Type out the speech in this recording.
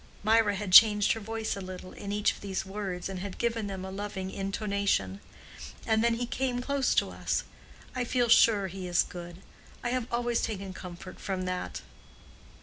'"—Mirah had changed her voice a little in each of these words and had given them a loving intonation—"and then he came close to us. I feel sure he is good. I have always taken comfort from that."